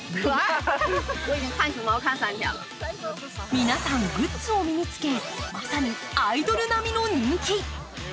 皆さん、グッズを身につけまさにアイドル並みの人気。